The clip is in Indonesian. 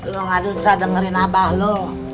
lu gak usah dengerin abah lu